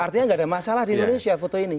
artinya nggak ada masalah di indonesia foto ini